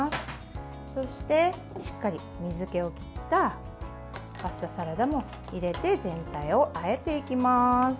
そして、しっかり水けを切ったパスタサラダも入れて全体をあえていきます。